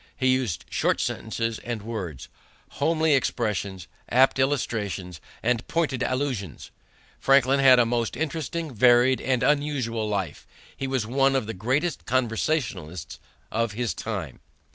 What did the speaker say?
He used short sentences and words, homely expressions, apt illustrations, and pointed allusions. Franklin had a most interesting, varied, and unusual life. He was one of the greatest conversationalists of his time.